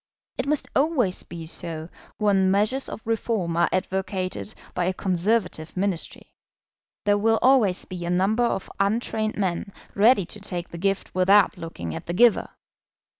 It must always be so when measures of Reform are advocated by a Conservative Ministry. There will always be a number of untrained men ready to take the gift without looking at the giver.